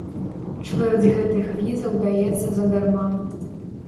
Чвэрць гэтых візаў даецца задарма.